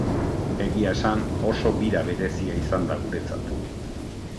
Egia esan, oso bira berezia izan da guretzat.